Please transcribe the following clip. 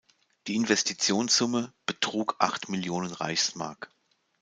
Die Investitionssumme betrug acht Millionen Reichsmark.